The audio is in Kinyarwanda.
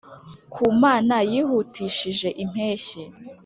ku mana yihutishije impeshyi